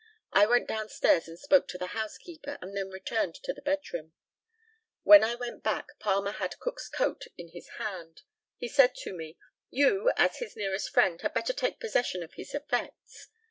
I went downstairs and spoke to the housekeeper, and then returned to the bedroom. When I went back, Palmer had Cook's coat in his hand. He said to me, "You, as his nearest friend, had better take possession of his effects."